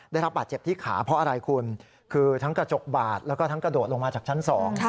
ได้รับบาดเจ็บที่ขาเพราะอะไรคุณคือทั้งกระจกบาดแล้วก็ทั้งกระโดดลงมาจากชั้น๒